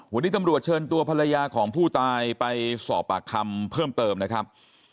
วันนี้ตำรวจเชิญตัวภรรยาของผู้ตายไปสอบปากคำเพิ่มเติมนะครับ